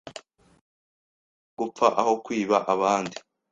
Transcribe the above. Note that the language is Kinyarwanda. Nahitamo gupfa aho kwiba abandi.